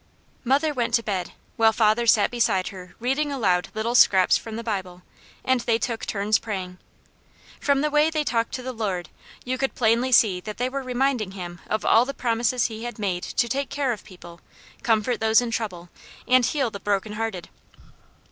Mother went to bed, while father sat beside her reading aloud little scraps from the Bible, and they took turns praying. From the way they talked to the Lord, you could plainly see that they were reminding Him of all the promises He had made to take care of people, comfort those in trouble, and heal the broken hearted.